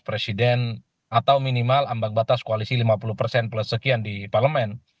presiden atau minimal ambang batas koalisi lima puluh persen plus sekian di parlemen